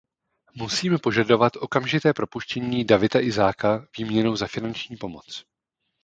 Musíme požadovat okamžité propuštění Dawita Isaaka výměnou za finanční pomoc.